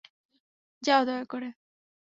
যাও দয়া করে।